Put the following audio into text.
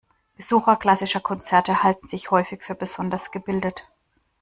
Besucher klassischer Konzerte halten sich häufig für besonders gebildet.